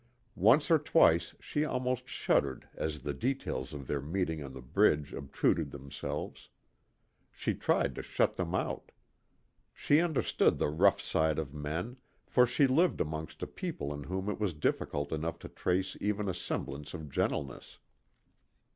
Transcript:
Once or twice she almost shuddered as the details of their meeting on the bridge obtruded themselves. She tried to shut them out. She understood the rough side of men, for she lived amongst a people in whom it was difficult enough to trace even a semblance of gentleness.